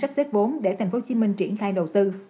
sắp xếp bốn để tp hcm triển khai đầu tư